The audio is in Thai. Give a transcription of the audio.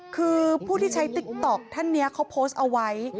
คือผู้ที่ใช้ติ๊กต๊อกท่านนี้เขาโพสต์เอาไว้